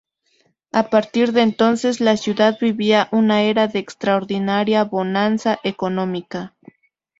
A partir de entonces, la ciudad vivía una era de extraordinaria bonanza económica.